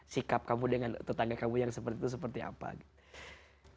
sikap kamu dengan tetangga kamu yang seperti itu seperti apa gitu